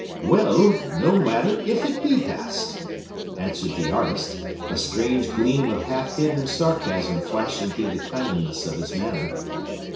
"Well; no matter if it be past!" answered the artist, a strange gleam of half hidden sarcasm flashing through the kindliness of his manner.